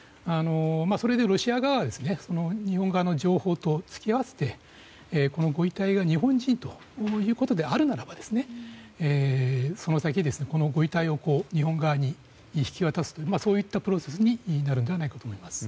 それでロシア側は日本側の情報と突き合わせてこのご遺体が日本人ということであるならばこの先、ご遺体を日本側に引き渡すといったプロセスになるのではないのかと思います。